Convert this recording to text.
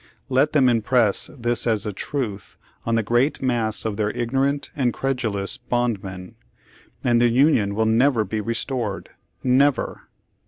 Let them impress this as a truth on the great mass of their ignorant and credulous bondmen, and the Union will never be restored — never.